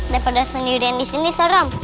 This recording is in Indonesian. daripada sendirian disini serem